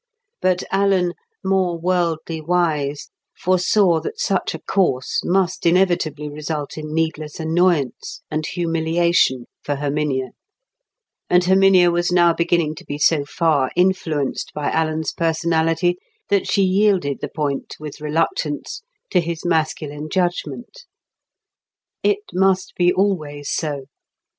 But Alan, more worldly wise, foresaw that such a course must inevitably result in needless annoyance and humiliation for Herminia; and Herminia was now beginning to be so far influenced by Alan's personality that she yielded the point with reluctance to his masculine judgment. It must be always so.